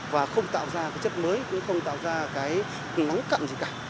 và không tạo ra cái chất mới cũng không tạo ra cái nắng cặn gì cả